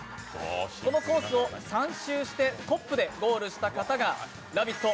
このコースを３周してトップでゴールした方がラヴィット！